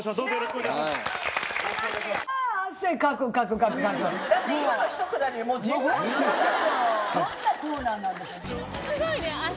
すごいね汗！